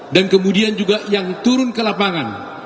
dan kemudian juga yang turun ke lapangan